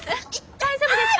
大丈夫ですか？